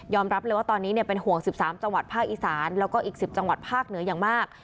รับเลยว่าตอนนี้เป็นห่วง๑๓จังหวัดภาคอีสานแล้วก็อีก๑๐จังหวัดภาคเหนืออย่างมาก